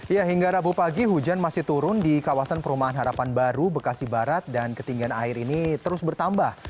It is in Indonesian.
ya hingga rabu pagi hujan masih turun di kawasan perumahan harapan baru bekasi barat dan ketinggian air ini terus bertambah